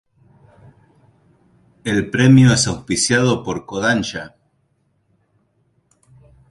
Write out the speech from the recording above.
El premio es auspiciado por Kōdansha.